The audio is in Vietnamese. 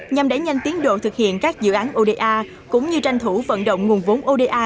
nhằm đẩy nhanh tiến độ thực hiện các dự án oda cũng như tranh thủ vận động nguồn vốn oda